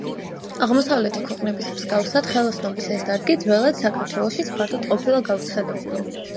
აღმოსავლეთი ქვეყნების მსგავსად ხელოსნობის ეს დარგი ძველად საქართველოშიც ფართოდ ყოფილა გავრცელებული.